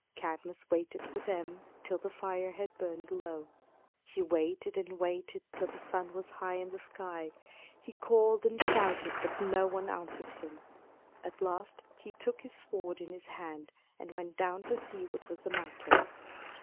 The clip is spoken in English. Cadmus waited for them till the fire had burned low. He waited and waited till the sun was high in the sky. He called and shouted, but no one answered him. At last he took his sword in his hand and went down to see what was the matter.